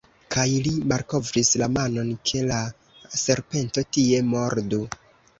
Kaj li malkovris la manon, ke la serpento tie mordu.